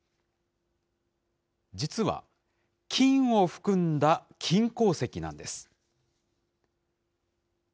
実は金を含んだ金鉱石なんです。